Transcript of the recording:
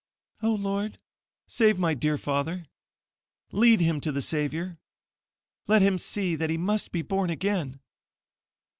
"Oh, Lord, save my dear father. Lead him to the Savior. Let him see that he MUST BE BORN AGAIN.